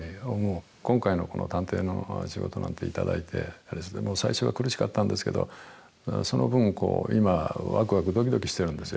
今回のこの探偵の仕事なんていただいて、最初は苦しかったんですけど、その分、今はわくわくどきどきしてるんですよ。